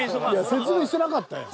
説明してなかったやん。